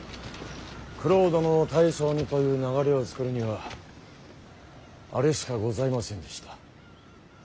九郎殿を大将にという流れを作るにはあれしかございませんでした。